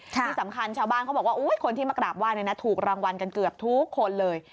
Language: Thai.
ที่สำคัญชาวบ้านเขาบอกว่าคนที่มากราบไห้ถูกรางวัลกันเกือบทุกคนเลย